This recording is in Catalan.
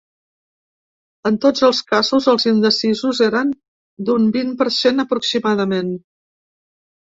En tots els casos els indecisos eren d’un vint per cent aproximadament.